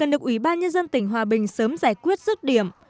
được ủy ban nhân dân tỉnh hòa bình sớm giải quyết rứt điểm